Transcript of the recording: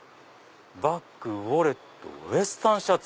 バッグウォレットウエスタンシャツ。